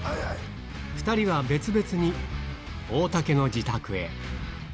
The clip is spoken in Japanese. ２人は別々に、大竹の自宅へ。